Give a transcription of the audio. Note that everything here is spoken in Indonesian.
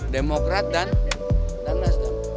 demokrat dan nasdem